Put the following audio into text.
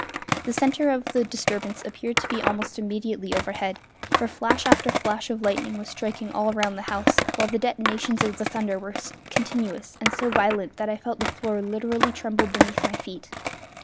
The centre of the disturbance appeared to be almost immediately overhead, for flash after flash of lightning was striking all round the house, while the detonations of the thunder were continuous and so violent that I felt the floor literally tremble beneath my feet.